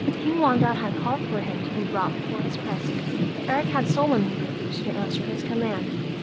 King Wanda had called for him to be brought before his presence, but Eric had sullenly refused to answer his command.